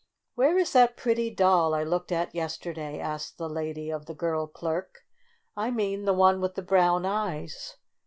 " Where is that pretty doll I looked at yesterday?" asked the lady of the girl clerk. "I mean the one with the brown eyes?"